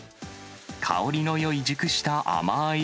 香りのよい熟した甘ーい